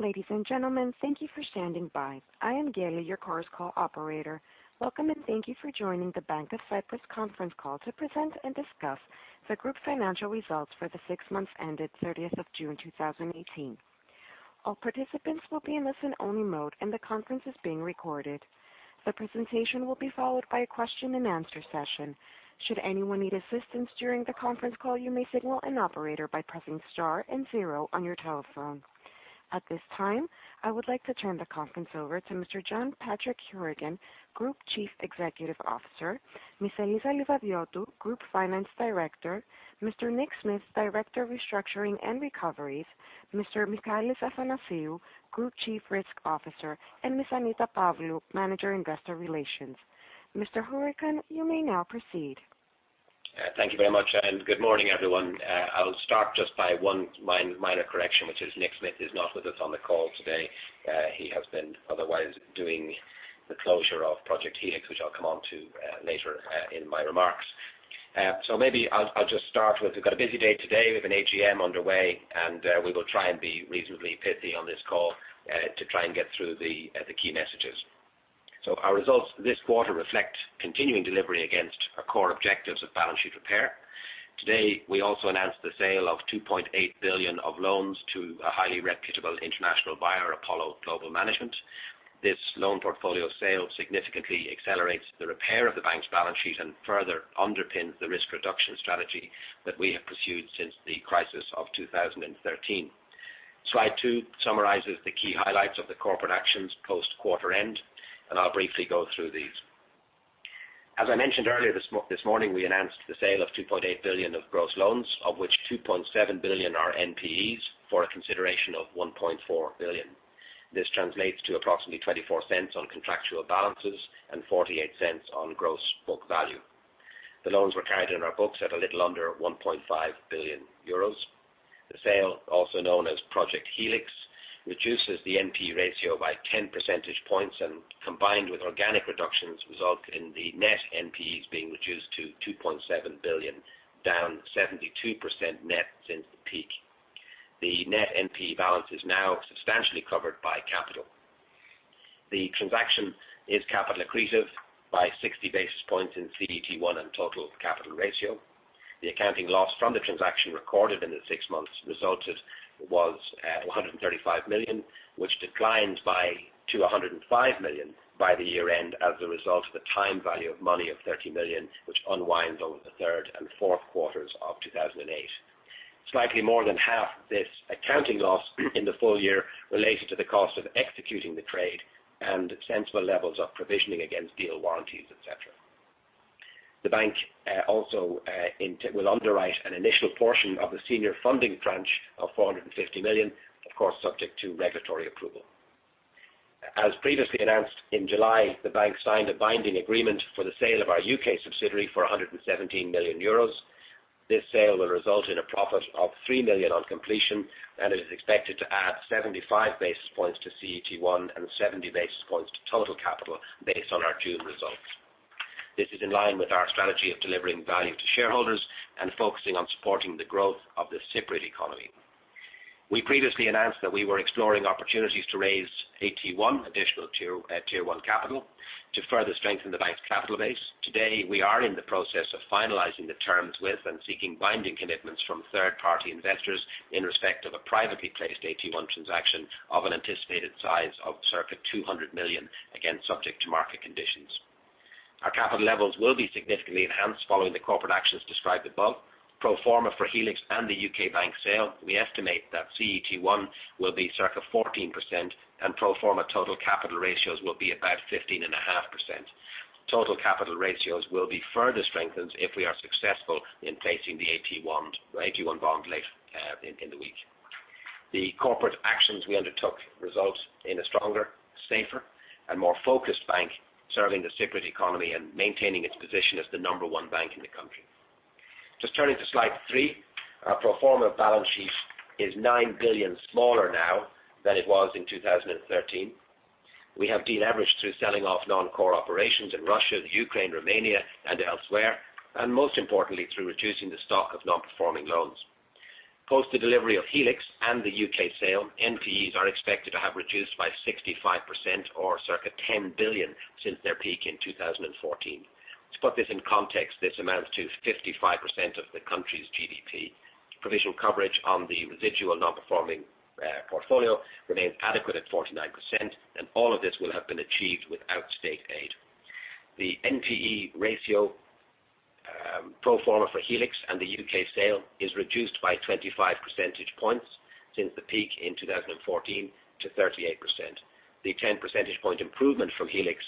Ladies and gentlemen, thank you for standing by. I am Gale, your conference call operator. Welcome, thank you for joining the Bank of Cyprus conference call to present and discuss the group's financial results for the six months ended 30th of June 2018. All participants will be in listen-only mode, the conference is being recorded. The presentation will be followed by a question-and-answer session. Should anyone need assistance during the conference call, you may signal an operator by pressing star and zero on your telephone. At this time, I would like to turn the conference over to Mr. John Patrick Hourican, Group Chief Executive Officer, Ms. Eliza Livadiotou, Group Finance Director, Mr. Nick Smith, Director of Restructuring and Recoveries, Mr. Michalis Athanasiou, Group Chief Risk Officer, and Ms. Annita Pavlou, Manager, Investor Relations. Mr. Hourican, you may now proceed. Thank you very much, good morning, everyone. I'll start just by one minor correction, which is Nick Smith is not with us on the call today. He has been otherwise doing the closure of Project Helix, which I'll come on to later in my remarks. We've got a busy day today. We have an AGM underway, we will try and be reasonably pithy on this call to try and get through the key messages. Our results this quarter reflect continuing delivery against our core objectives of balance sheet repair. Today, we also announced the sale of 2.8 billion of loans to a highly reputable international buyer, Apollo Global Management. This loan portfolio sale significantly accelerates the repair of the bank's balance sheet and further underpins the risk reduction strategy that we have pursued since the crisis of 2013. Slide two summarizes the key highlights of the corporate actions post-quarter end, I'll briefly go through these. As I mentioned earlier this morning, we announced the sale of 2.8 billion of gross loans, of which 2.7 billion are NPEs, for a consideration of 1.4 billion. This translates to approximately 0.24 on contractual balances and 0.48 on gross book value. The loans were carried in our books at a little under 1.5 billion euros. The sale, also known as Project Helix, reduces the NPE ratio by 10 percentage points and combined with organic reductions, result in the net NPEs being reduced to 2.7 billion, down 72% net since the peak. The net NPE balance is now substantially covered by capital. The transaction is capital accretive by 60 basis points in CET1 and total capital ratio. The accounting loss from the transaction recorded in the six months resulted was at 135 million, which declines to 105 million by the year-end as a result of the time value of money of 30 million, which unwinds over the third and fourth quarters of 2018. Slightly more than half this accounting loss in the full year related to the cost of executing the trade and sensible levels of provisioning against deal warranties, et cetera. The bank also will underwrite an initial portion of the senior funding tranche of 450 million, of course, subject to regulatory approval. As previously announced in July, the bank signed a binding agreement for the sale of our U.K. subsidiary for 117 million euros. This sale will result in a profit of 3 million on completion and is expected to add 75 basis points to CET1 and 70 basis points to total capital based on our June results. This is in line with our strategy of delivering value to shareholders and focusing on supporting the growth of the Cypriot economy. We previously announced that we were exploring opportunities to raise AT1 additional Tier 1 capital to further strengthen the bank's capital base. Today, we are in the process of finalizing the terms with and seeking binding commitments from third-party investors in respect of a privately placed AT1 transaction of an anticipated size of circa 200 million, again, subject to market conditions. Our capital levels will be significantly enhanced following the corporate actions described above. Pro forma for Helix and the U.K. bank sale, we estimate that CET1 will be circa 14% and pro forma total capital ratios will be about 15.5%. Total capital ratios will be further strengthened if we are successful in placing the AT1 bond later in the week. The corporate actions we undertook result in a stronger, safer, and more focused bank serving the Cypriot economy and maintaining its position as the number 1 bank in the country. Just turning to slide three. Our pro forma balance sheet is 9 billion smaller now than it was in 2013. We have de-leveraged through selling off non-core operations in Russia, the Ukraine, Romania, and elsewhere, and most importantly, through reducing the stock of non-performing loans. Post the delivery of Helix and the U.K. sale, NPEs are expected to have reduced by 65% or circa 10 billion since their peak in 2014. To put this in context, this amounts to 55% of the country's GDP. Provisional coverage on the residual non-performing portfolio remains adequate at 49%, and all of this will have been achieved without state aid. The NPE ratio pro forma for Helix and the U.K. sale is reduced by 25 percentage points since the peak in 2014 to 38%. The 10 percentage point improvement from Helix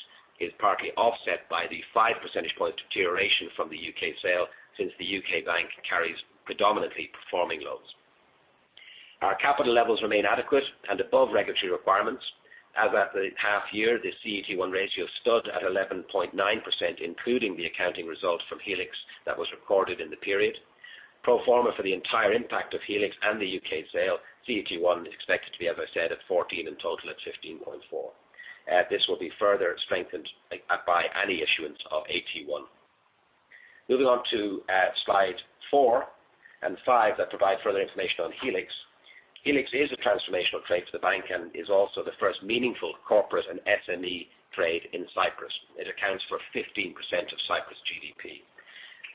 is partly offset by the five percentage point deterioration from the U.K. sale since the U.K. bank carries predominantly performing loans. Our capital levels remain adequate and above regulatory requirements. As at the half year, the CET1 ratio stood at 11.9%, including the accounting result from Helix that was recorded in the period. Pro forma for the entire impact of Helix and the U.K. sale, CET1 is expected to be, as I said, at 14% and total at 15.4%. This will be further strengthened by any issuance of AT1. Moving on to slide four and five that provide further information on Helix. Helix is a transformational trade for the bank and is also the first meaningful corporate and SME trade in Cyprus. It accounts for 15% of Cyprus' GDP.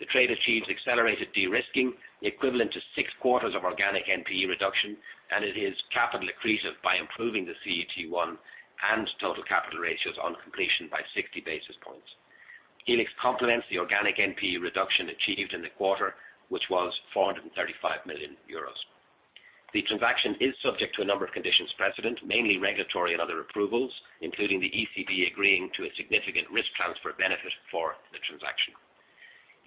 The trade achieves accelerated de-risking, the equivalent to six quarters of organic NPE reduction, and it is capital accretive by improving the CET1 and total capital ratios on completion by 60 basis points. Helix complements the organic NPE reduction achieved in the quarter, which was 435 million euros. The transaction is subject to a number of conditions precedent, mainly regulatory and other approvals, including the ECB agreeing to a significant risk transfer benefit for the transaction.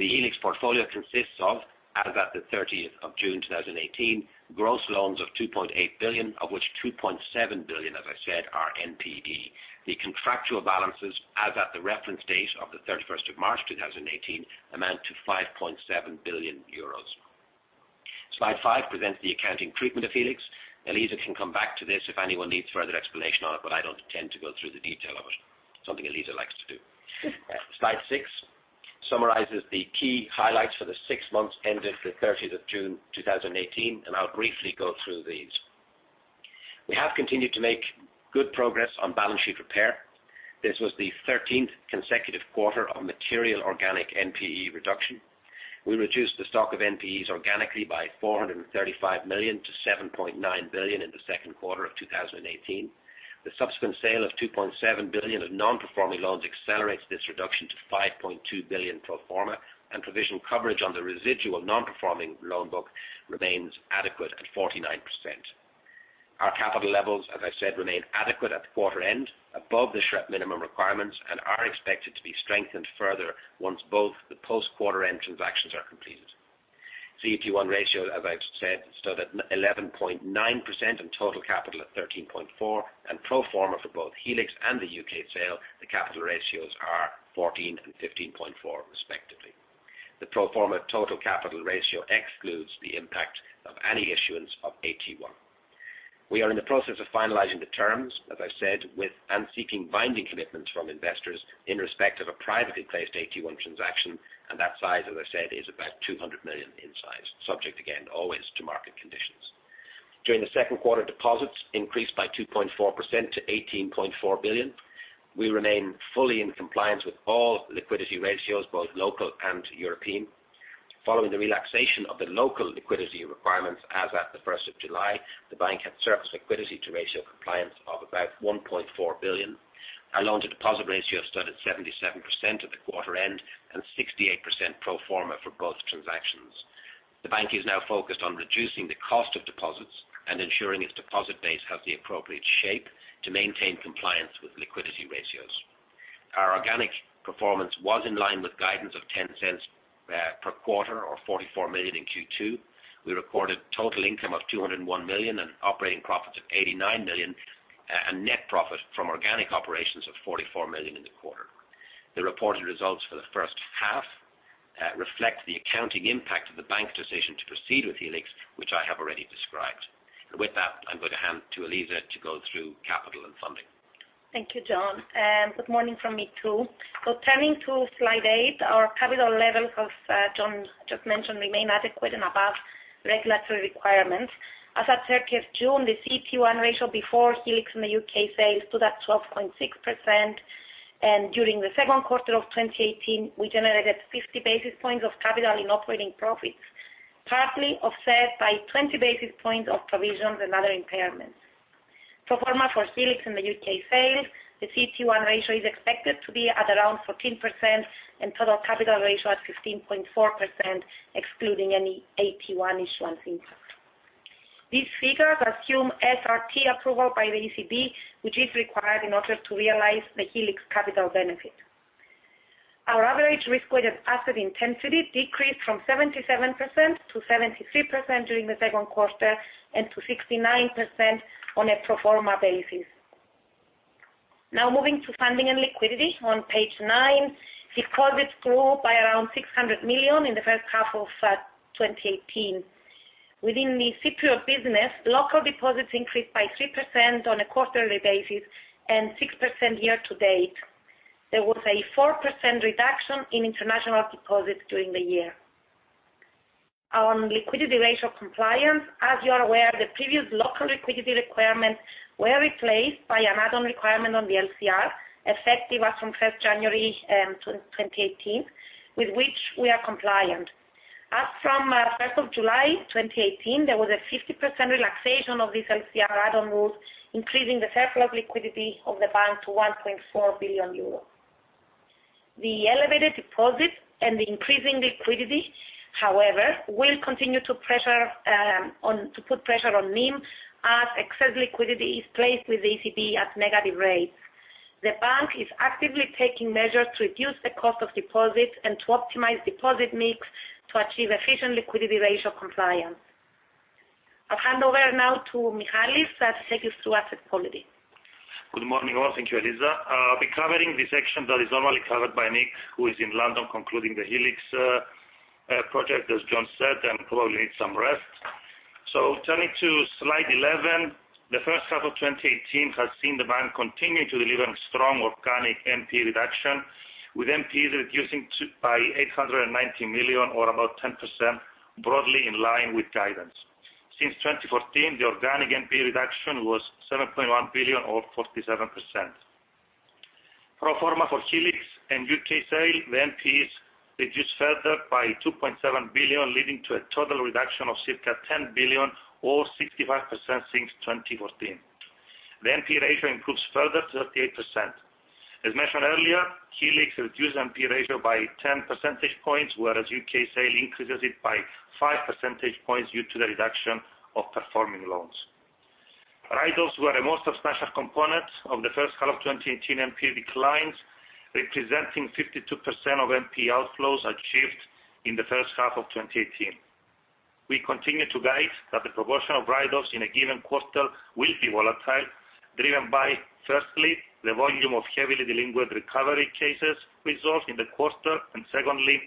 The Helix portfolio consists of, as at the 30th of June 2018, gross loans of 2.8 billion, of which 2.7 billion, as I said, are NPE. The contractual balances as at the reference date of the 31st of March 2018 amount to 5.7 billion euros. Slide five presents the accounting treatment of Helix. Eliza can come back to this if anyone needs further explanation on it, but I don't intend to go through the detail of it. Something Eliza likes to do. Slide six summarizes the key highlights for the six months ending the 30th of June 2018. I'll briefly go through these. We have continued to make good progress on balance sheet repair. This was the 13th consecutive quarter of material organic NPE reduction. We reduced the stock of NPEs organically by 435 million to 7.9 billion in the second quarter of 2018. The subsequent sale of 2.7 billion of non-performing loans accelerates this reduction to 5.2 billion pro forma and provision coverage on the residual non-performing loan book remains adequate at 49%. Our capital levels, as I said, remain adequate at the quarter end, above the SREP minimum requirements, and are expected to be strengthened further once both the post-quarter end transactions are completed. CET1 ratio, as I've said, stood at 11.9% and total capital at 13.4%. Pro forma for both Helix and the U.K. sale, the capital ratios are 14% and 15.4% respectively. The pro forma total capital ratio excludes the impact of any issuance of AT1. We are in the process of finalizing the terms, as I said, and seeking binding commitments from investors in respect of a privately placed AT1 transaction. That size, as I said, is about 200 million in size, subject again, always to market conditions. During the second quarter, deposits increased by 2.4% to 18.4 billion. We remain fully in compliance with all liquidity ratios, both local and European. Following the relaxation of the local liquidity requirements as at the 1st of July, the bank had surplus liquidity to ratio compliance of about 1.4 billion. Our loan-to-deposit ratio stood at 77% at the quarter end and 68% pro forma for both transactions. The bank is now focused on reducing the cost of deposits and ensuring its deposit base has the appropriate shape to maintain compliance with liquidity ratios. Our organic performance was in line with guidance of 0.10 per quarter or 44 million in Q2. We recorded total income of 201 million and operating profits of 89 million, and net profit from organic operations of 44 million in the quarter. The reported results for the first half reflect the accounting impact of the bank's decision to proceed with Helix, which I have already described. With that, I'm going to hand to Eliza to go through capital and funding. Thank you, John. Good morning from me, too. Turning to slide eight, our capital levels, as John just mentioned, remain adequate and above regulatory requirements. As at 30th June, the CET1 ratio before Helix and the U.K. sale stood at 12.6%, and during the second quarter of 2018, we generated 50 basis points of capital in operating profits, partly offset by 20 basis points of provisions and other impairments. Pro forma for Helix and the U.K. sale, the CET1 ratio is expected to be at around 14% and total capital ratio at 15.4%, excluding any AT1 issuance impact. These figures assume SRT approval by the ECB, which is required in order to realize the Helix capital benefit. Our average risk-weighted asset intensity decreased from 77% to 73% during the second quarter and to 69% on a pro forma basis. Moving to funding and liquidity on page nine. Deposits grew by around 600 million in the first half of 2018. Within the Cypriot business, local deposits increased by 3% on a quarterly basis and 6% year to date. There was a 4% reduction in international deposits during the year. On liquidity ratio compliance, as you are aware, the previous local liquidity requirements were replaced by an add-on requirement on the LCR, effective as from 1st January 2018, with which we are compliant. As from 1st of July 2018, there was a 50% relaxation of this LCR add-on rule, increasing the surplus liquidity of the bank to 1.4 billion euros. The elevated deposits and the increasing liquidity, however, will continue to put pressure on NIM as excess liquidity is placed with ECB at negative rates. The bank is actively taking measures to reduce the cost of deposits and to optimize deposit mix to achieve efficient liquidity ratio compliance. I'll hand over now to Michalis to take us through asset quality. Good morning all. Thank you, Eliza. I'll be covering the section that is normally covered by Nick, who is in London concluding the Project Helix, as John said, and probably needs some rest. Turning to slide 11, the first half of 2018 has seen the Bank continuing to deliver strong organic NPE reduction, with NPEs reducing by 890 million or about 10%, broadly in line with guidance. Since 2014, the organic NPE reduction was 7.1 billion or 47%. Pro forma for Helix and U.K. sale, the NPEs reduced further by 2.7 billion, leading to a total reduction of circa 10 billion or 65% since 2014. The NPE ratio improves further to 38%. As mentioned earlier, Helix reduced NPE ratio by 10 percentage points, whereas U.K. sale increases it by five percentage points due to the reduction of performing loans. Write-offs were the most substantial component of the first half of 2018 NPE declines, representing 52% of NPE outflows achieved in the first half of 2018. We continue to guide that the proportion of write-offs in a given quarter will be volatile, driven by, firstly, the volume of heavily delinquent recovery cases resolved in the quarter, and secondly,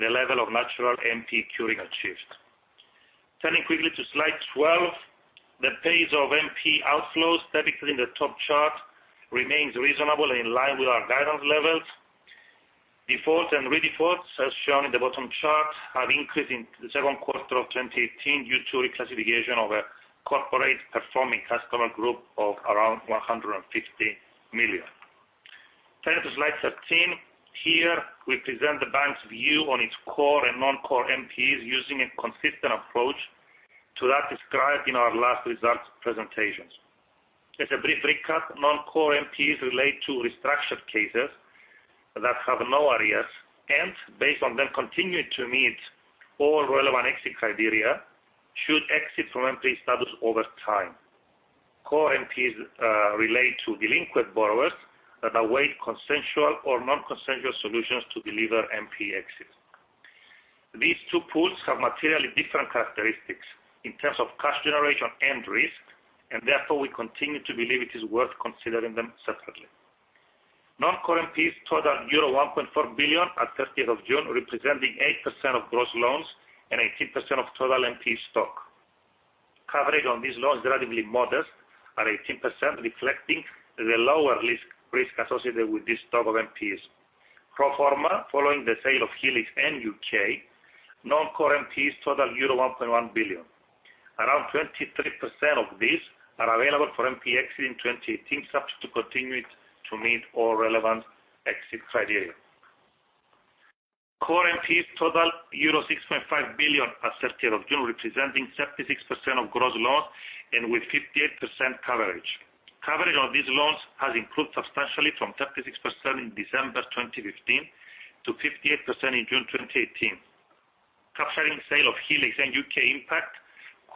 the level of natural NPE curing achieved. Turning quickly to slide 12, the pace of NPE outflows depicted in the top chart remains reasonable and in line with our guidance levels. Default and redefaults, as shown in the bottom chart, have increased in the second quarter of 2018 due to reclassification of a corporate performing customer group of around 150 million. Turning to slide 13, here we present the Bank's view on its core and non-core NPEs using a consistent approach to that described in our last results presentations. As a brief recap, non-core NPEs relate to restructured cases that have no arrears and based on them continuing to meet all relevant exit criteria should exit from NPE status over time. Core NPEs relate to delinquent borrowers that await consensual or non-consensual solutions to deliver NPE exits. These two pools have materially different characteristics in terms of cash generation and risk, and therefore we continue to believe it is worth considering them separately. Non-core NPEs totaled euro 1.4 billion at June 30, representing 8% of gross loans and 18% of total NPE stock. Coverage on these loans is relatively modest at 18%, reflecting the lower risk associated with this type of NPEs. Pro forma, following the sale of Helix and U.K., non-core NPEs total euro 1.1 billion. Around 23% of these are available for NPE exit in 2018, subject to continuing to meet all relevant exit criteria. Core NPEs totaled EUR 6.5 billion at June 30, representing 76% of gross loans and with 58% coverage. Coverage of these loans has improved substantially from 36% in December 2015 to 58% in June 2018. Capturing sale of Helix and U.K. impact,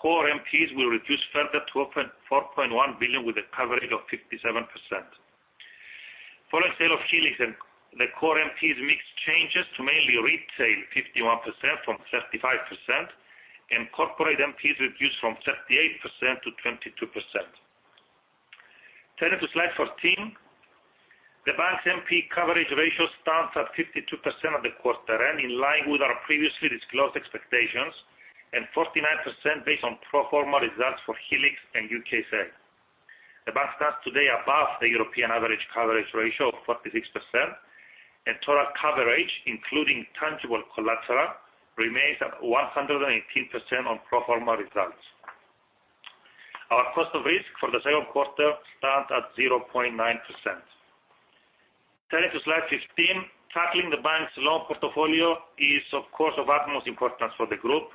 core NPEs will reduce further to 4.1 billion with a coverage of 57%. Following sale of Helix and the core NPEs mix changes to mainly retail 51% from 35%, and corporate NPEs reduce from 38% to 22%. Turning to slide 14, the Bank's NPE coverage ratio stands at 52% of the quarter end, in line with our previously disclosed expectations, and 49% based on pro forma results for Helix and U.K. sale. The Bank stands today above the European average coverage ratio of 46%, and total coverage, including tangible collateral, remains at 118% on pro forma results. Our cost of risk for the second quarter stands at 0.9%. Turning to slide 15, tackling the bank's loan portfolio is of course of utmost importance for the group.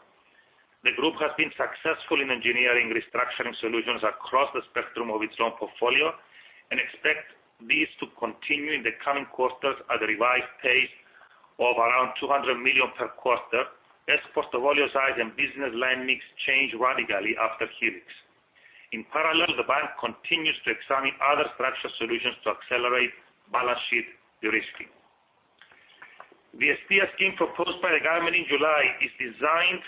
The group has been successful in engineering restructuring solutions across the spectrum of its loan portfolio, and expect this to continue in the coming quarters at a revised pace of around 200 million per quarter as portfolio size and business line mix change radically after Helix. In parallel, the bank continues to examine other structural solutions to accelerate balance sheet de-risking. The SPS scheme proposed by the government in July is designed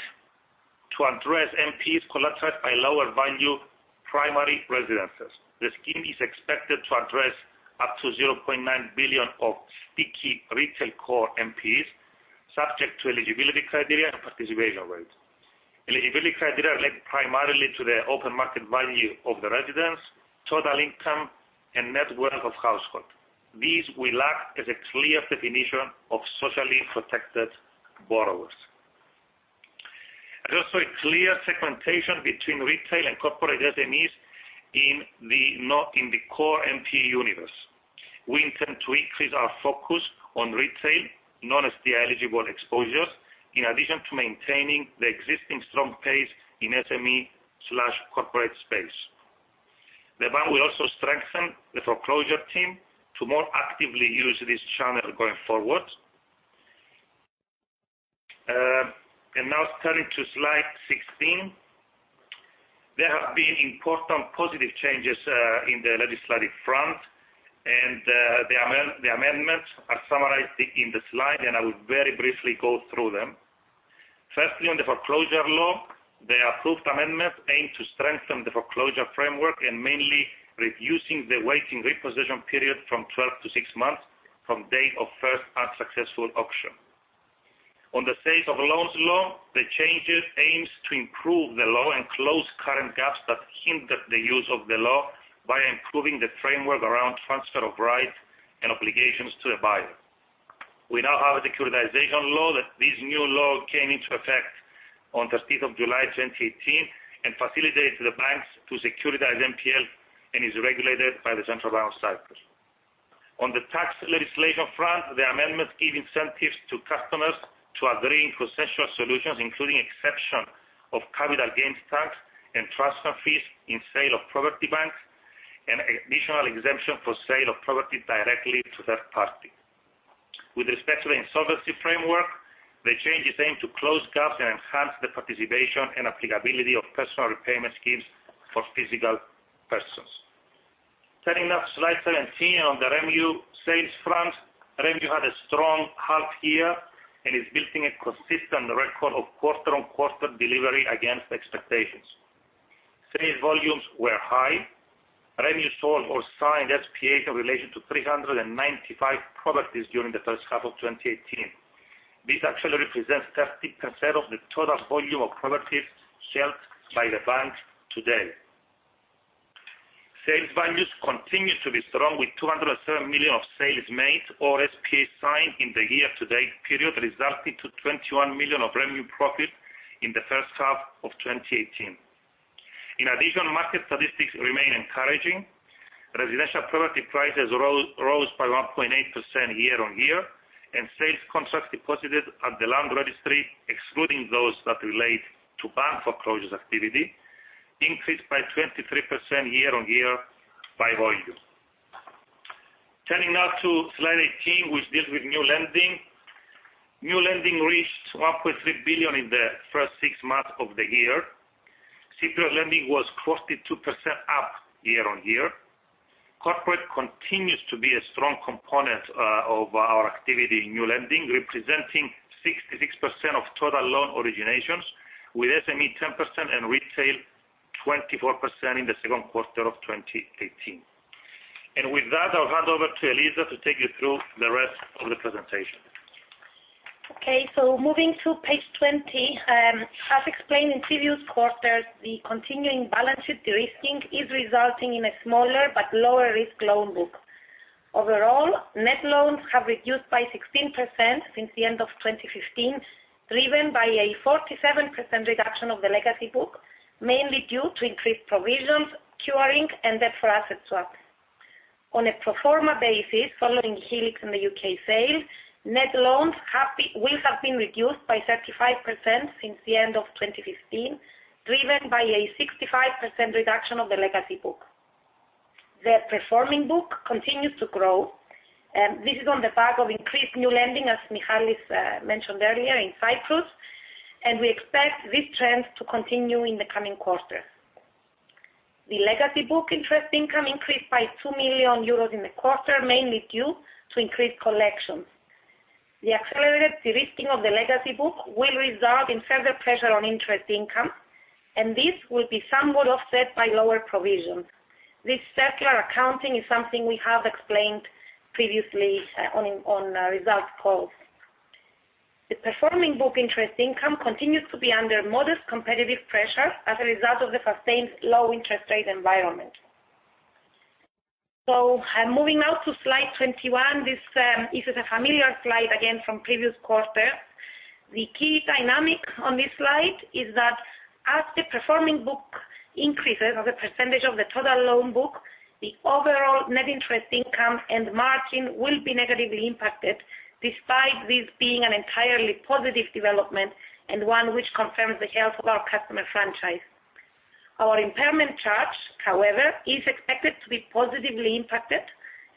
to address NPEs collateralized by lower value primary residences. The scheme is expected to address up to 0.9 billion of sticky retail core NPEs subject to eligibility criteria and participation rates. Eligibility criteria relate primarily to the open market value of the residence, total income, and net worth of household. These will act as a clear definition of socially protected borrowers. There's also a clear segmentation between retail and corporate SMEs in the core NPE universe. We intend to increase our focus on retail, non-SPS eligible exposures, in addition to maintaining the existing strong pace in SME/corporate space. The bank will also strengthen the foreclosure team to more actively use this channel going forward. Turning to slide 16, there have been important positive changes in the legislative front, the amendments are summarized in the slide, I will very briefly go through them. Firstly, on the foreclosure law, the approved amendments aim to strengthen the foreclosure framework and mainly reducing the waiting repossession period from 12 to six months from date of first unsuccessful auction. On the sales of loans law, the changes aim to improve the law and close current gaps that hindered the use of the law by improving the framework around transfer of rights and obligations to the buyer. We now have the securitization law, that this new law came into effect on 30th of July 2018 and facilitates the banks to securitize NPL and is regulated by the Central Bank of Cyprus. On the tax legislation front, the amendments give incentives to customers to agree in consensual solutions, including exemption of capital gains tax and transfer fees in sale of property banks, and additional exemption for sale of property directly to third party. With respect to the insolvency framework, the changes aim to close gaps and enhance the participation and applicability of personal repayment schemes for physical persons. Turning now to slide 17 on the REMU sales front, REMU had a strong half year and is building a consistent record of quarter-on-quarter delivery against expectations. Sales volumes were high. REMU sold or signed SPA in relation to 395 properties during the first half of 2018. This actually represents 30% of the total volume of properties sold by the bank today. Sales values continued to be strong with 207 million of sales made or SPA signed in the year-to-date period, resulting to 21 million of revenue profit in the first half of 2018. In addition, market statistics remain encouraging. Residential property prices rose by 1.8% year-on-year, and sales contracts deposited at the land registry, excluding those that relate to bank foreclosure activity, increased by 23% year-on-year by volume. Turning now to slide 18, which deals with new lending. New lending reached 1.3 billion in the first six months of the year. Cypriot lending was 42% up year-on-year. Corporate continues to be a strong component of our activity in new lending, representing 66% of total loan originations, with SME 10% and retail 24% in the second quarter of 2018. With that, I'll hand over to Eliza to take you through the rest of the presentation. Moving to page 20. As explained in previous quarters, the continuing balance sheet de-risking is resulting in a smaller but lower-risk loan book. Overall, net loans have reduced by 16% since the end of 2015, driven by a 47% reduction of the legacy book, mainly due to increased provisions, curing, and therefore asset swap. On a pro forma basis, following Helix and the U.K. sale, net loans will have been reduced by 35% since the end of 2015, driven by a 65% reduction of the legacy book. The performing book continues to grow. This is on the back of increased new lending, as Michalis mentioned earlier, in Cyprus, and we expect this trend to continue in the coming quarters. The legacy book interest income increased by 2 million euros in the quarter, mainly due to increased collections. The accelerated de-risking of the legacy book will result in further pressure on interest income, this will be somewhat offset by lower provisions. This secular accounting is something we have explained previously on results calls. The performing book interest income continues to be under modest competitive pressure as a result of the sustained low interest rate environment. Moving now to slide 21. This is a familiar slide again from previous quarters. The key dynamic on this slide is that as the performing book increases as a percentage of the total loan book, the overall net interest income and margin will be negatively impacted, despite this being an entirely positive development and one which confirms the health of our customer franchise. Our impairment charge, however, is expected to be positively impacted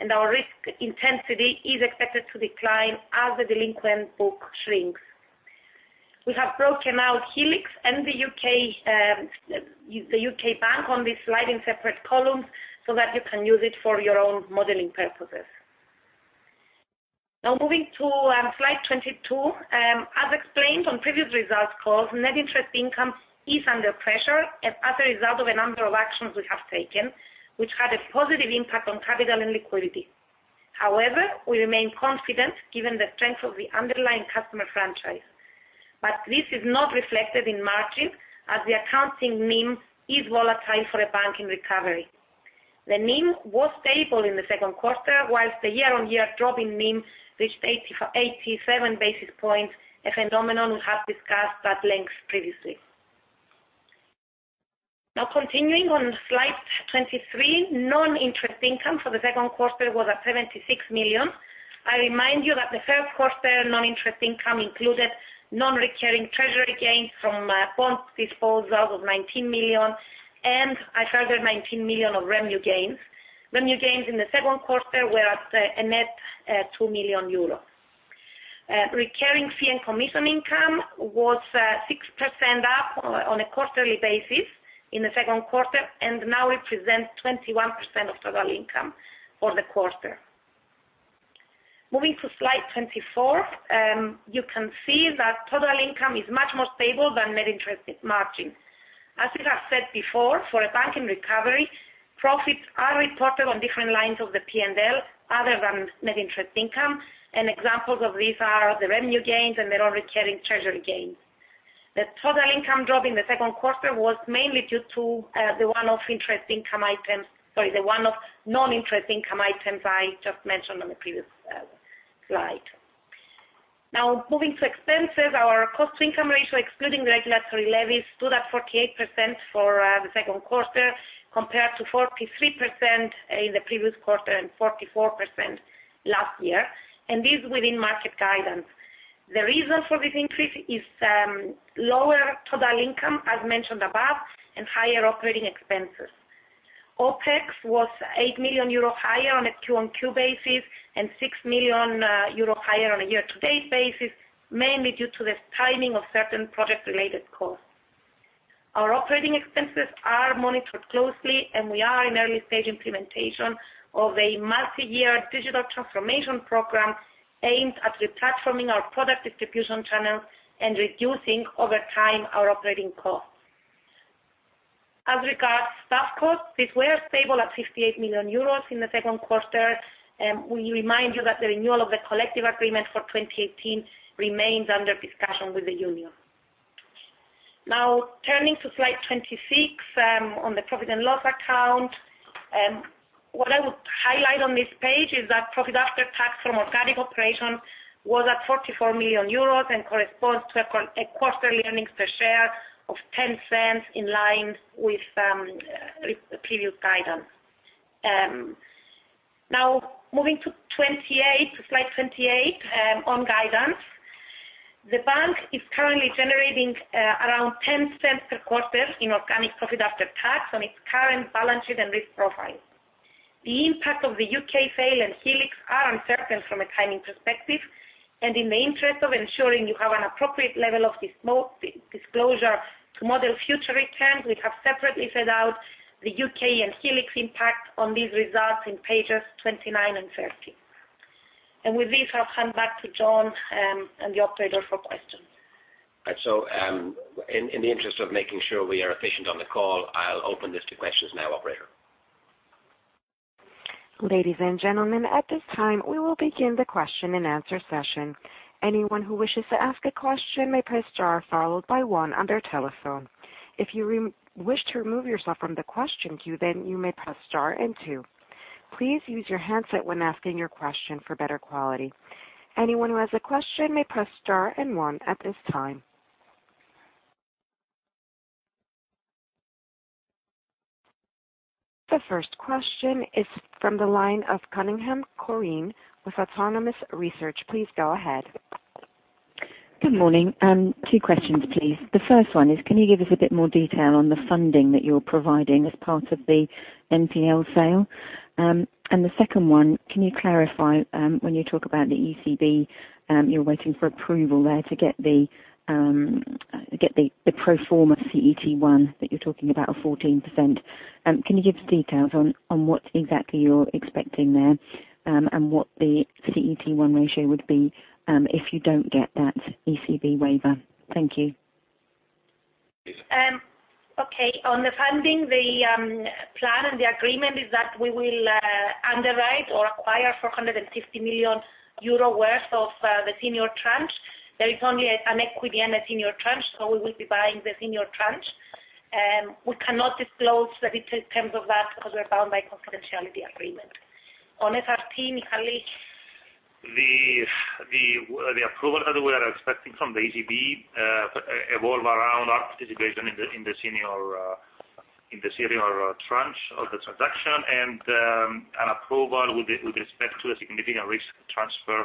and our risk intensity is expected to decline as the delinquent book shrinks. We have broken out Helix and the U.K. bank on this slide in separate columns so that you can use it for your own modeling purposes. Moving to slide 22. As explained on previous results calls, net interest income is under pressure as a result of a number of actions we have taken, which had a positive impact on capital and liquidity. However, we remain confident given the strength of the underlying customer franchise. This is not reflected in margin, as the accounting NIM is volatile for a bank in recovery. The NIM was stable in the second quarter, whilst the year-on-year drop in NIM reached 87 basis points, a phenomenon we have discussed at length previously. Continuing on slide 23, non-interest income for the second quarter was at 76 million. I remind you that the first quarter non-interest income included non-recurring treasury gains from bond disposal of 19 million and a further 19 million of revenue gains. Revenue gains in the second quarter were at a net 2 million euros. Recurring fee and commission income was 6% up on a quarterly basis in the second quarter and now represents 21% of total income for the quarter. Moving to slide 24, you can see that total income is much more stable than net interest margin. As we have said before, for a bank in recovery, profits are reported on different lines of the P&L other than net interest income. Examples of these are the revenue gains and net recurring treasury gains. The total income drop in the second quarter was mainly due to the one-off interest income items. Sorry, the one-off non-interest income items I just mentioned on the previous slide. Moving to expenses, our cost-to-income ratio, excluding regulatory levies, stood at 48% for the second quarter, compared to 43% in the previous quarter and 44% last year. This is within market guidance. The reason for this increase is lower total income, as mentioned above, and higher operating expenses. OPEX was 8 million euro higher on a Q on Q basis, and 6 million euro higher on a year-to-date basis, mainly due to the timing of certain project-related costs. Our operating expenses are monitored closely, and we are in early-stage implementation of a multi-year digital transformation program aimed at re-platforming our product distribution channels and reducing, over time, our operating costs. As regards staff costs, these were stable at 58 million euros in the second quarter. We remind you that the renewal of the collective agreement for 2018 remains under discussion with the union. Turning to slide 26, on the profit and loss account. What I would highlight on this page is that profit after tax from organic operations was at 44 million euros and corresponds to a quarterly earnings per share of 0.10, in line with previous guidance. Moving to slide 28, on guidance. The bank is currently generating around 0.10 per quarter in organic profit after tax on its current balance sheet and risk profile. The impact of the U.K. sale and Helix are uncertain from a timing perspective. In the interest of ensuring you have an appropriate level of disclosure to model future returns, we have separately set out the U.K. and Helix impact on these results on pages 29 and 30. With this, I'll hand back to John and the operator for questions. Right. In the interest of making sure we are efficient on the call, I'll open this to questions now, operator. Ladies and gentlemen, at this time, we will begin the question-and-answer session. Anyone who wishes to ask a question may press star followed by one on their telephone. If you wish to remove yourself from the question queue, then you may press star and two. Please use your handset when asking your question for better quality. Anyone who has a question may press star and one at this time. The first question is from the line of Corinne Cunningham with Autonomous Research. Please go ahead. Good morning. Two questions, please. The first one is, can you give us a bit more detail on the funding that you're providing as part of the NPE sale? The second one, can you clarify when you talk about the ECB, you're waiting for approval there to get the pro forma CET1 that you're talking about of 14%? Can you give us details on what exactly you're expecting there and what the CET1 ratio would be if you don't get that ECB waiver? Thank you. Okay. On the funding, the plan and the agreement is that we will underwrite or acquire 450 million euro worth of the senior tranche. There is only an equity and a senior tranche, so we will be buying the senior tranche. We cannot disclose the details in terms of that because we're bound by confidentiality agreement. On SRT, Michalis? The approval that we are expecting from the ECB revolve around our participation in the senior tranche of the transaction. An approval with respect to the significant risk transfer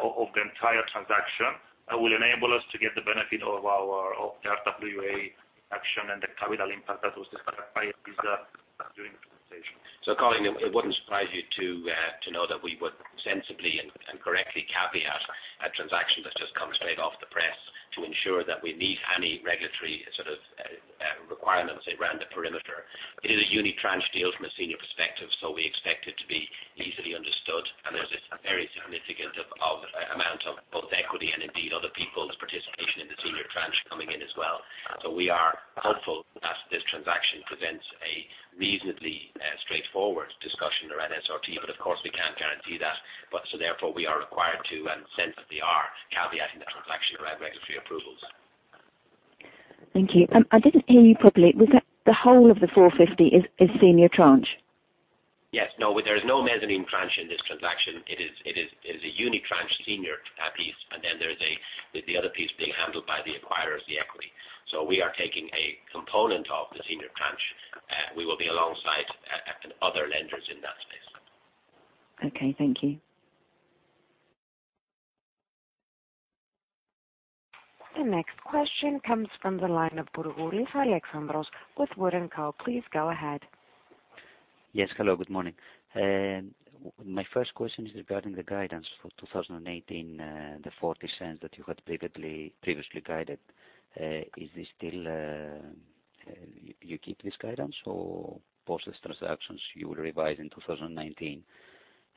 of the entire transaction will enable us to get the benefit of our RWA action and the capital impact that was described by Eliza during the presentation. Corinne, it wouldn't surprise you to know that we would sensibly and correctly caveat a transaction that's just come straight off the press to ensure that we meet any regulatory sort of requirements around the perimeter. It is a unitranche deal from a senior perspective. We expect it to be easily understood. There's a very significant amount of both equity and indeed other people's participation in the senior tranche coming in as well. We are hopeful that this transaction presents a reasonably straightforward discussion around SRT, of course, we can't guarantee that. Therefore, we are required to, and sensibly are, caveating the transaction around regulatory approvals. Thank you. I didn't hear you properly. Was it the whole of the 450 is senior tranche? Yes. No, there is no mezzanine tranche in this transaction. It is a unitranche senior piece. Then there's the other piece being handled by the acquirers, the equity. We are taking a component of the senior tranche. We will be alongside other lenders in that space. Okay. Thank you. The next question comes from the line of Alexandros Boulougouris with Wood & Company. Please go ahead. Yes. Hello, good morning. My first question is regarding the guidance for 2018, the 0.40 that you had previously guided. You keep this guidance, or post these transactions you will revise in 2019?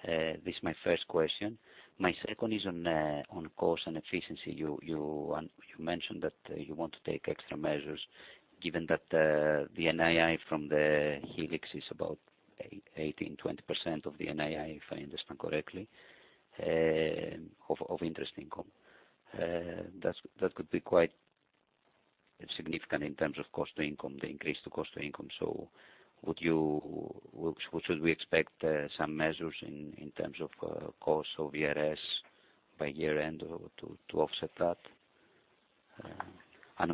This is my first question. My second is on cost and efficiency. You mentioned that you want to take extra measures given that the NII from the Helix is about 18%-20% of the NII, if I understand correctly, of interest income. That could be quite significant in terms of cost to income, the increase to cost to income. Should we expect some measures in terms of cost or VRS by year-end to offset that?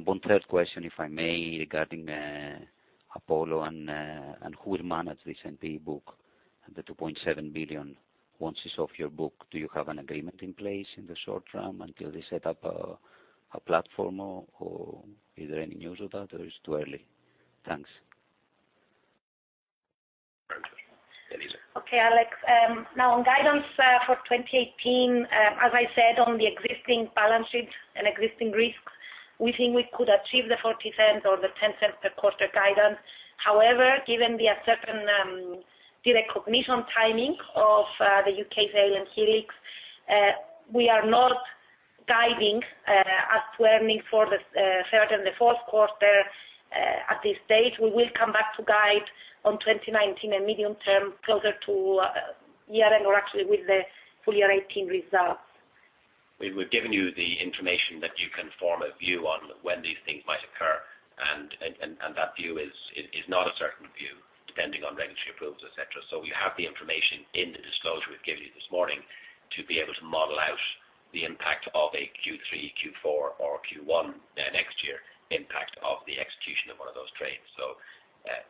One third question, if I may, regarding Apollo and who will manage this NPE book, the 2.7 billion. Once it's off your book, do you have an agreement in place in the short term until they set up a platform, or is there any news of that, or it's too early? Thanks. Very good. Eliza. Okay, Alex. On guidance for 2018, as I said, on the existing balance sheet and existing risk, we think we could achieve the 0.40 or the 0.10 per quarter guidance. However, given the uncertain de-recognition timing of the U.K. sale and Helix, we are not guiding as to earnings for the third and the fourth quarter at this stage. We will come back to guide on 2019 and medium term closer to year-end or actually with the full year 2018 results. We've given you the information that you can form a view on when these things might occur, that view is not a certain view, depending on regulatory approvals, et cetera. You have the information in the disclosure we've given you this morning to be able to model out the impact of a Q3, Q4, or Q1 next year impact of the execution of one of those trades.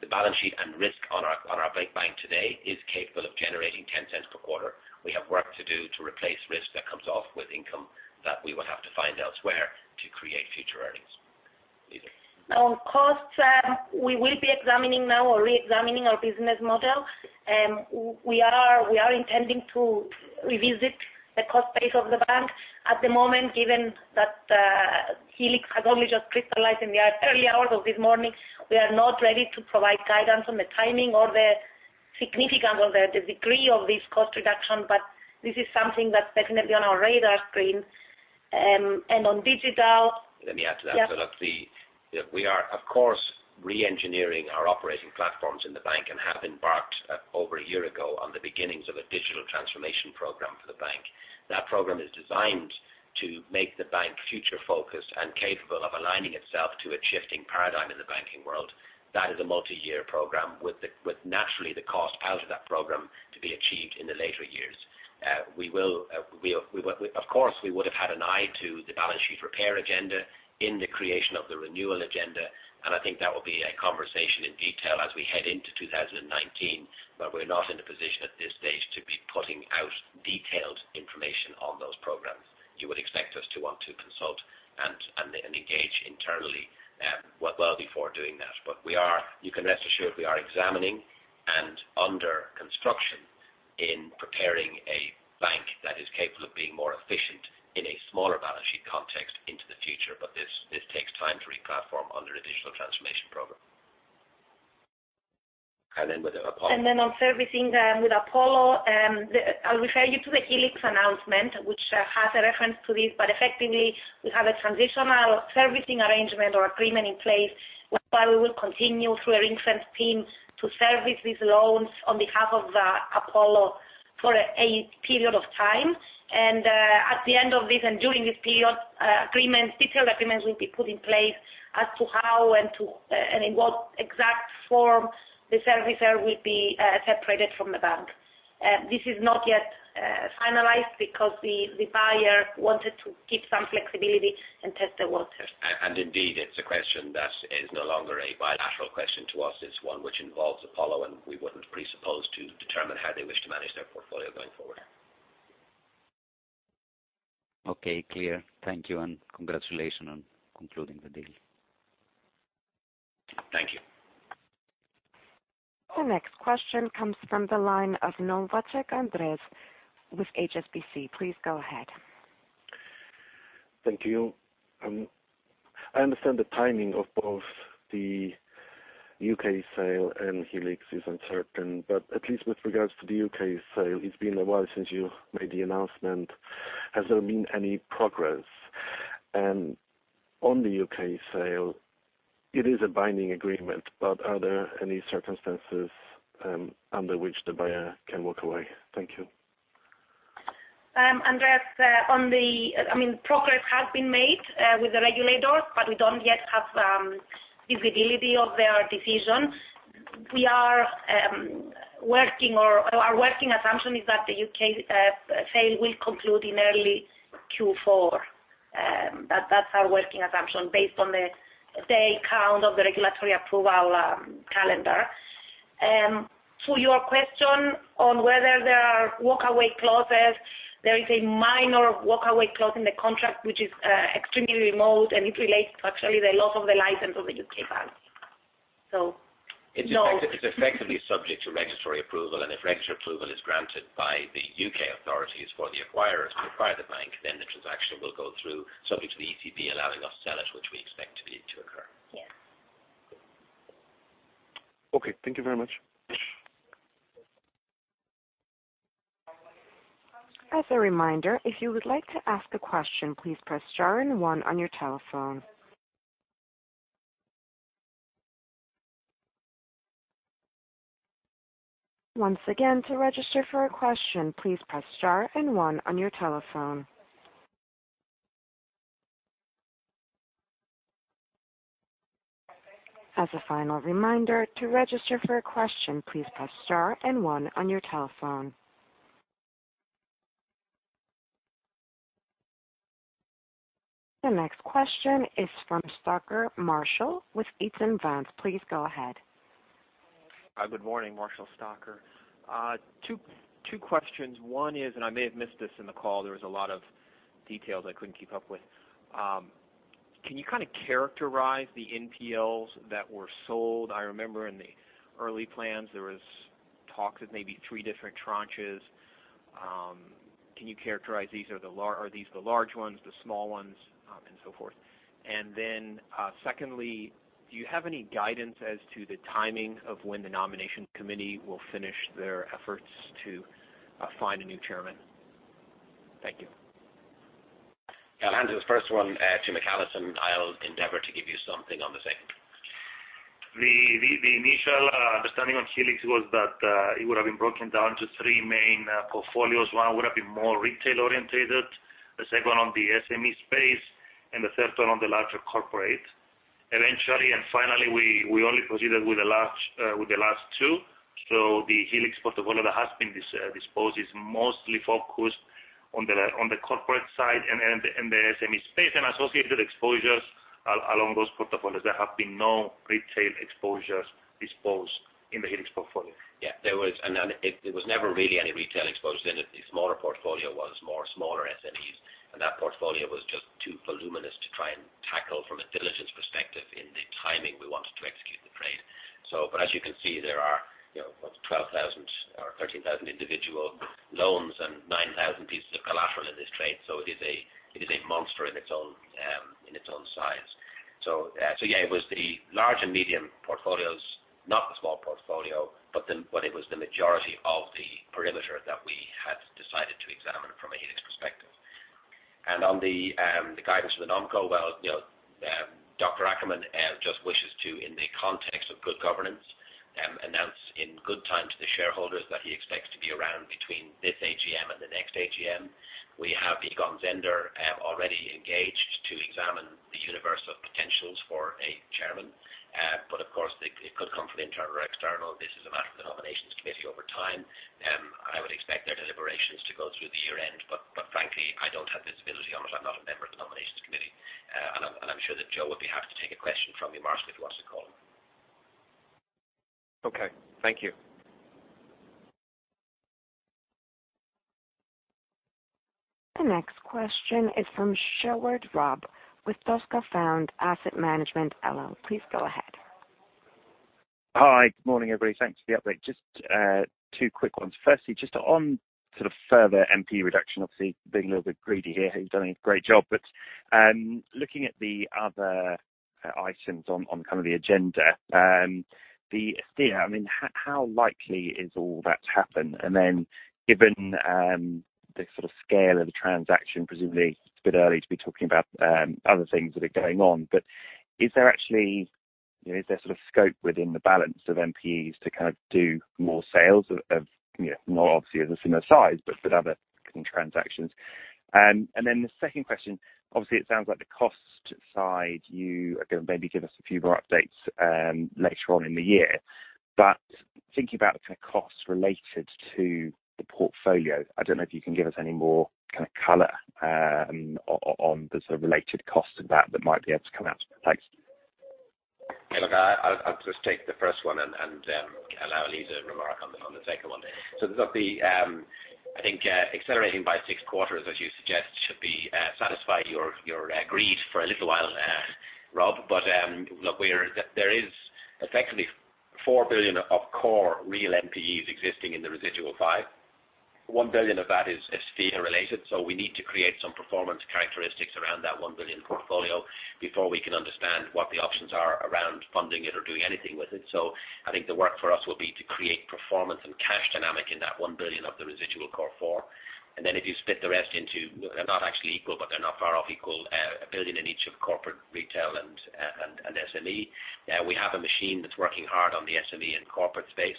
The balance sheet and risk on our bank today is capable of generating 0.10 per quarter. We have work to do to replace risk that comes off with income that we will have to find elsewhere to create future earnings. Eliza. On costs, we will be examining now or re-examining our business model. We are intending to revisit the cost base of the bank. At the moment, given that Helix has only just crystallized in the early hours of this morning, we are not ready to provide guidance on the timing or the significance or the degree of this cost reduction, this is something that's definitely on our radar screen. On digital- Let me add to that, Eliza. Yeah. We are of course, re-engineering our operating platforms in the bank and have embarked over a year ago on the beginnings of a digital transformation program for the bank. That program is designed to make the bank future-focused and capable of aligning itself to a shifting paradigm in the banking world. That is a multi-year program with naturally the cost out of that program to be achieved in the later years. Of course, we would've had an eye to the balance sheet repair agenda in the creation of the renewal agenda. I think that will be a conversation in detail as we head into 2019. We're not in a position at this stage to be putting out detailed information on those programs. You would expect us to want to consult and engage internally well before doing that. You can rest assured we are examining and under construction in preparing a bank that is capable of being more efficient in a smaller balance sheet context into the future, but this takes time to replatform under a digital transformation program. With Apollo? On servicing with Apollo, I'll refer you to the Helix announcement, which has a reference to this, but effectively we have a transitional servicing arrangement or agreement in place whereby we will continue through our in-house team to service these loans on behalf of Apollo for a period of time. At the end of this and during this period, detailed agreements will be put in place as to how and in what exact form the servicer will be separated from the bank. This is not yet finalized because the buyer wanted to keep some flexibility and test the waters. Indeed, it's a question that is no longer a bilateral question to us. It's one which involves Apollo, and we wouldn't presuppose to determine how they wish to manage their portfolio going forward. Okay, clear. Thank you, and congratulations on concluding the deal. Thank you. The next question comes from the line of Aindrias O'Caoimh with HSBC. Please go ahead. Thank you. I understand the timing of both the U.K. sale and Helix is uncertain, but at least with regards to the U.K. sale, it's been a while since you made the announcement. Has there been any progress? On the U.K. sale, it is a binding agreement, but are there any circumstances under which the buyer can walk away? Thank you. Andres, progress has been made with the regulators, but we don't yet have visibility of their decision. Our working assumption is that the U.K. sale will conclude in early Q4. That's our working assumption based on the day count of the regulatory approval calendar. To your question on whether there are walkaway clauses, there is a minor walkaway clause in the contract, which is extremely remote, and it relates to actually the loss of the license of the U.K. bank. No. It's effectively subject to regulatory approval, if regulatory approval is granted by the U.K. authorities for the acquirers to acquire the bank, the transaction will go through subject to the ECB allowing us to sell it, which we expect to occur. Yeah. Okay, thank you very much. As a reminder, if you would like to ask a question, please press star and one on your telephone. Once again, to register for a question, please press star and one on your telephone. As a final reminder, to register for a question, please press star and one on your telephone. The next question is from Marshall Stocker with Eaton Vance. Please go ahead. Good morning. Marshall Stocker. Two questions. One is, I may have missed this in the call, there was a lot of details I couldn't keep up with. Can you characterize the NPEs that were sold? I remember in the early plans, there was talk of maybe three different tranches. Can you characterize these? Are these the large ones, the small ones, and so forth? Secondly, do you have any guidance as to the timing of when the Nominations Committee will finish their efforts to find a new chairman? Thank you. Yeah. I'll hand the first one to Michalis, I'll endeavor to give you something on the second. The initial understanding on Helix was that it would have been broken down to three main portfolios. One would have been more retail orientated, the second on the SME space, and the third one on the larger corporate. Finally, we only proceeded with the last two. The Helix portfolio that has been disposed is mostly focused on the corporate side and the SME space and associated exposures along those portfolios. There have been no retail exposures disposed in the Helix portfolio. Yeah. There was never really any retail exposure in it. The smaller portfolio was more smaller SMEs, and that portfolio was just too voluminous to try and tackle from a diligence perspective in the timing we wanted to execute the trade. As you can see, there are what, 12,000 or 13,000 individual loans and 9,000 pieces of collateral in this trade, so it is a monster in its own size. Yeah, it was the large and medium portfolios, not the small portfolio, but it was the majority of the perimeter that we had decided to examine from a Helix perspective. On the guidance for the NomCo, well, Josef Ackermann just wishes to, in the context of good governance, announce in good time to the shareholders that he expects to be around between this AGM and the next AGM. We have begun vendor already engaged to examine the universe of potentials for a chairman. Of course, it could come from internal or external. This is a matter for the nominations committee over time. I would expect their deliberations to go through the year-end. Frankly, I don't have visibility on it. I'm not a member of the nominations committee. I'm sure that Joe would be happy to take a question from you, Marshall, if you want to call him. Okay. Thank you. The next question is from Sheward Rob with Toscafund Asset Management LLP. Please go ahead. Hi. Good morning, everybody. Thanks for the update. Just two quick ones. Firstly, just on sort of further NPE reduction, obviously being a little bit greedy here, you've done a great job, looking at the other items on the agenda. The Estia, how likely is all that to happen? Given the scale of the transaction, presumably it's a bit early to be talking about other things that are going on, is there sort of scope within the balance of NPEs to do more sales of, not obviously of a similar size, but other transactions? The second question, obviously it sounds like the cost side, you are going to maybe give us a few more updates later on in the year, thinking about the kind of costs related to the portfolio, I don't know if you can give us any more kind of color on the sort of related costs of that that might be able to come out. Thanks. Look, I'll just take the first one and allow Eliza to remark on the second one. Look, I think accelerating by 6 quarters, as you suggest, should satisfy your greed for a little while there, Rob. Look, there is effectively 4 billion of core real NPEs existing in the residual 5. 1 billion of that is Estia related, we need to create some performance characteristics around that 1 billion portfolio before we can understand what the options are around funding it or doing anything with it. I think the work for us will be to create performance and cash dynamic in that 1 billion of the residual core 4. If you split the rest into, they're not actually equal, they're not far off equal, 1 billion in each of corporate, retail, and SME. We have a machine that's working hard on the SME and corporate space.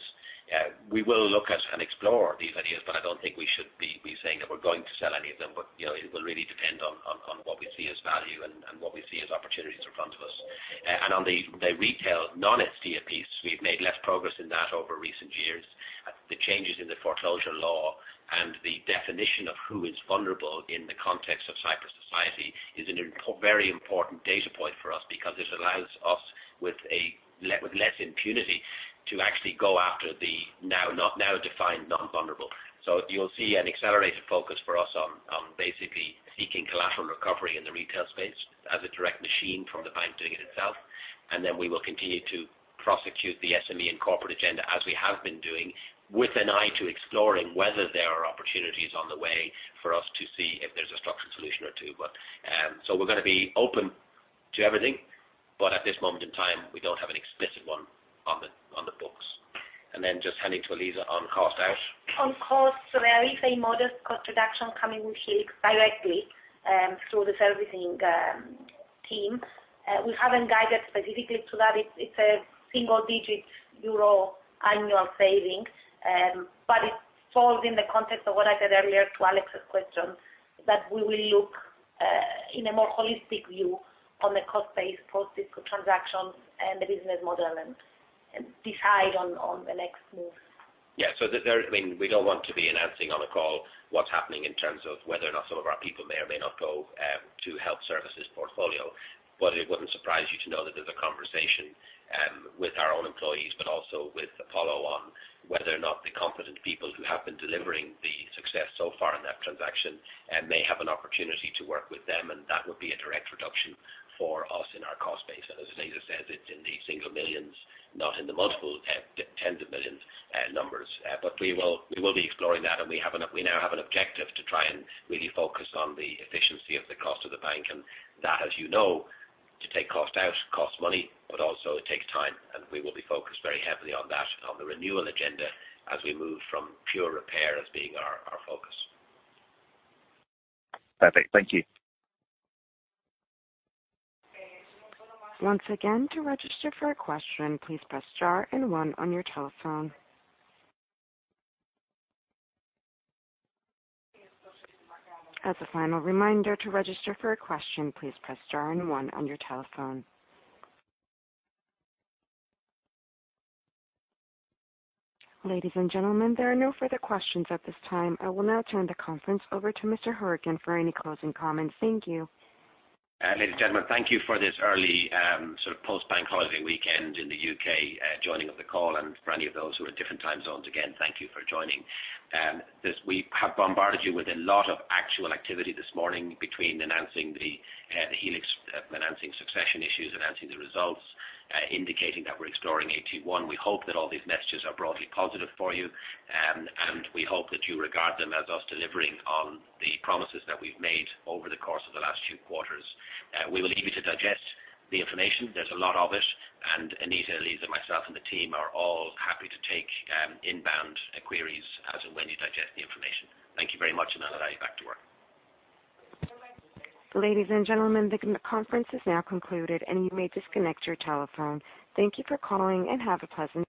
We will look at and explore these ideas, I don't think we should be saying that we're going to sell any of them. It will really depend on what we see as value and what we see as opportunities in front of us. On the retail non-Estia piece, we've made less progress in that over recent years. The changes in the foreclosure law and the definition of who is vulnerable in the context of Cyprus society is a very important data point for us because it allows us with less impunity to actually go after the now defined non-vulnerable. You'll see an accelerated focus for us on basically seeking collateral recovery in the retail space as a direct machine from the bank doing it itself. We will continue to prosecute the SME and corporate agenda as we have been doing with an eye to exploring whether there are opportunities on the way for us to see if there is a structured solution or two. We are going to be open to everything, but at this moment in time, we do not have an explicit one on it. Just handing to Eliza on cost out. On cost, there is a modest cost reduction coming with Helix directly through the servicing team. We have not guided specifically to that. It is a single-digit euro annual saving. It falls in the context of what I said earlier to Alex's question, that we will look in a more holistic view on the cost base post this transaction and the business model and decide on the next move. We don't want to be announcing on a call what's happening in terms of whether or not some of our people may or may not go to Helix Services portfolio. It wouldn't surprise you to know that there's a conversation with our own employees, but also with Apollo on whether or not the competent people who have been delivering the success so far in that transaction may have an opportunity to work with them, and that would be a direct reduction for us in our cost base. As Eliza says, it's in the single millions, not in the multiple tens of millions numbers. We will be exploring that, and we now have an objective to try and really focus on the efficiency of the cost of the bank, and that, as you know, to take cost out costs money, but also it takes time, and we will be focused very heavily on that, on the renewal agenda, as we move from pure repair as being our focus. Perfect. Thank you. Once again, to register for a question, please press star and one on your telephone. As a final reminder, to register for a question, please press star and one on your telephone. Ladies and gentlemen, there are no further questions at this time. I will now turn the conference over to Mr. Hourican for any closing comments. Thank you. Ladies and gentlemen, thank you for this early post-bank holiday weekend in the U.K. joining of the call. For any of those who are in different time zones, again, thank you for joining. We have bombarded you with a lot of actual activity this morning between announcing the Helix, announcing succession issues, announcing the results, indicating that we're exploring AT1. We hope that all these messages are broadly positive for you, and we hope that you regard them as us delivering on the promises that we've made over the course of the last few quarters. We will leave you to digest the information. There's a lot of it, Annita, Eliza, myself, and the team are all happy to take inbound queries as and when you digest the information. Thank you very much, and I'll let you back to work. Ladies and gentlemen, the conference is now concluded, and you may disconnect your telephone. Thank you for calling, and have a pleasant